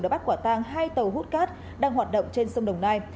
đã bắt quả tang hai tàu hút cát đang hoạt động trên sông đồng nai